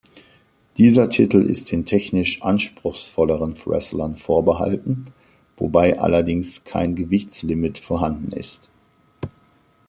Dieser Titel ist den technisch anspruchsvolleren Wrestlern vorbehalten, wobei allerdings kein Gewichtslimit vorhanden ist.